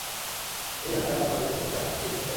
এই আমি জানতাম না যে, তুমি রাধা-কৃষ্ণকে বিশ্বাস করো।